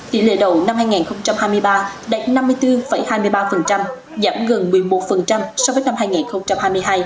tỷ lệ đầu năm hai nghìn hai mươi ba đạt năm mươi bốn hai mươi ba giảm gần một mươi một so với năm hai nghìn hai mươi hai